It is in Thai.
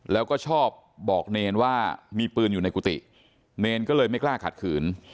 แล้วก็ชอบบอกเนรว่ามีปืนอยู่ในกุฏิเนรก็เลยไม่กล้าขัดขืน